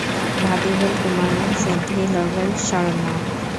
Vadivel Kumaran, Senthilvel, Saranya.